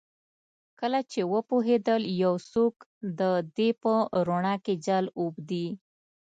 کله چې وپوهیدل یو څوک د دې په روڼا کې جال اوبدي